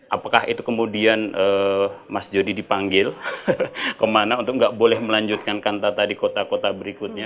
apakah itu kemudian mas jody dipanggil kemana untuk nggak boleh melanjutkan kantata di kota kota berikutnya